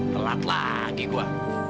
telat lagi gue